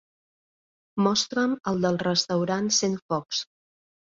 Mostra'm el del restaurant Centfocs.